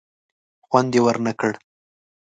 خوند یې ور نه کړ.